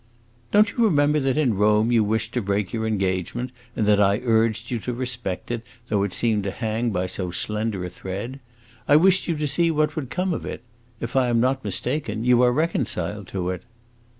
"Don't you remember that, in Rome, you wished to break your engagement, and that I urged you to respect it, though it seemed to hang by so slender a thread? I wished you to see what would come of it? If I am not mistaken, you are reconciled to it."